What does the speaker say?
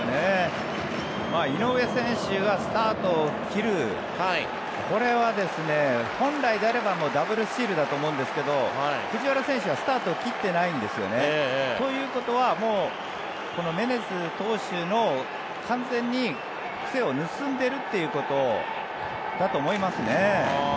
井上選手がスタートを切るこれは本来であればダブルスチールだと思うんですが藤原選手はスタートを切ってないんですよね。ということは、もうメネズ投手の完全に癖を盗んでいるということだと思いますね。